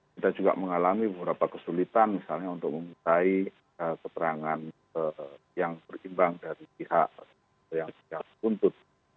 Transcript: kita juga mengalami beberapa kesulitan misalnya untuk memintai keterangan yang berimbang dari pihak yang tuntut